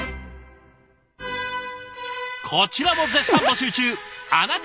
こちらも絶賛募集中